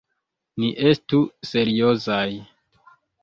Ni estu seriozaj.